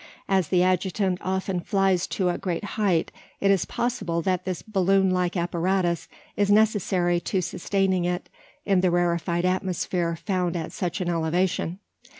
As the adjutant often flies to a great height, it is possible that this balloon like apparatus is necessary to sustaining it in the rarefied atmosphere found at such an elevation.